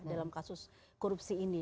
dalam kasus korupsi ini